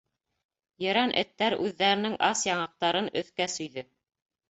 Ерән эттәр үҙҙәренең ас яңаҡтарын өҫкә сөйҙө.